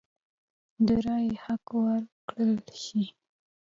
د رایې حق ورکړل شي.